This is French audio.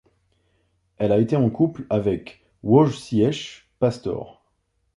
Elle a été en couple avec Wojciech Pastor.